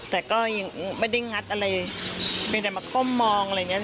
แต่ก็ยังไม่ได้งัดอะไรเพียงแต่มาก้มมองอะไรอย่างนี้